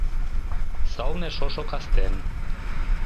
Сылне шошо кастен